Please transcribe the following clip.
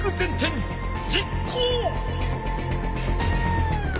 実行！